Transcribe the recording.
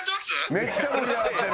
めっちゃ盛り上がってる。